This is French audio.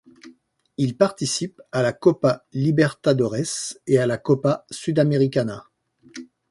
Il participe à la Copa Libertadores et à la Copa Sudamericana.